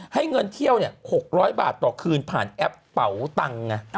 ให้เงินเที่ยว๖๐๐บาทต่อคืนผ่านแอปเป๋าตังค์ไง